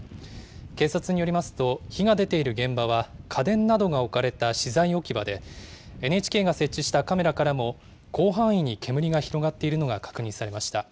警察によりますと、火が出ている現場は家電などが置かれた資材置き場で、ＮＨＫが設置したカメラからも、広範囲に煙が広がっているのが確認されました。